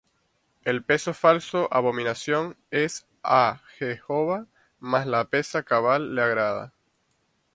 El peso falso abominación es á Jehová: Mas la pesa cabal le agrada.